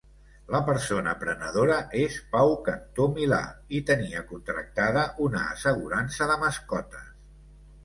La persona prenedora és Pau Cantó Milà i tenia contractada una assegurança de mascotes.